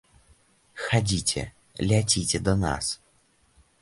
Хадзіце, ляціце да нас.